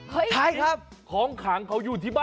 ใครครับของขังเขาอยู่ที่บ้าน